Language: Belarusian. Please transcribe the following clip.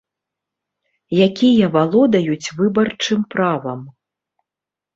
Якія валодаюць выбарчым правам.